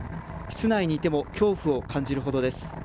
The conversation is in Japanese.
室内にいても、恐怖を感じるほどです。